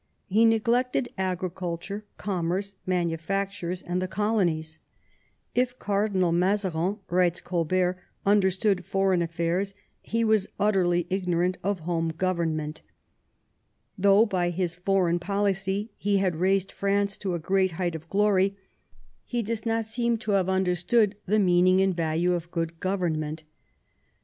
He neglected agriculture, com merce, manufactures, and the colonies. "If Cardinal Mazarin," writes Colbert, "understood foreign affairs, he was utterly ignorant of home government." Though by his foreign policy he had raised France to a great height of glory, he does not seem to have understood 176 MAZARIN chap. the meaning and value of good government.